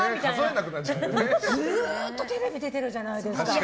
ずっとテレビ出てるじゃないですか。